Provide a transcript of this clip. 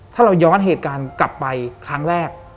ถ้าเราย้อนเหตุการณ์กลับไปครั้งแรก